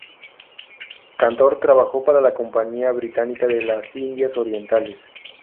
Cantor trabajó para la Compañía Británica de las Indias Orientales.